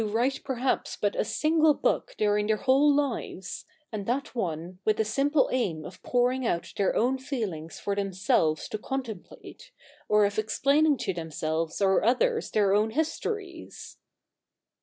iv write perhaps but a single book during their whole lives ; and that one, with the simple aim of pouring out their own feelings for themselves to contemplate, or of explaining to themselves or others their own histories.'